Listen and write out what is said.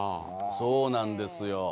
そうなんですよ。